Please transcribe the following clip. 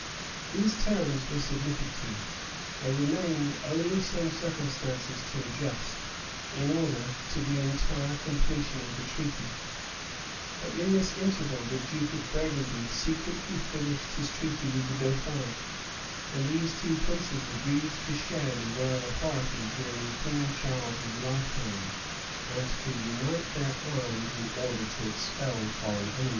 [*] {1419.} These terms were submitted to: there remained only some circumstances to adjust, in order to the entire completion of the treaty; but in this interval the duke of Burgundy secretly finished his treaty with the dauphin; and these two princes agreed to share the royal authority during King Charles's lifetime, and to unite their arms in order to expel foreign enemies.